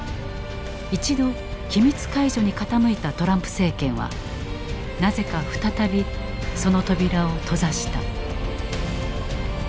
一度機密解除に傾いたトランプ政権はなぜか再びその扉を閉ざした。